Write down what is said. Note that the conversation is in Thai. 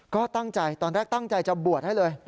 ก็ตั้งใจตอนแรกตั้งใจจะบวชให้เลย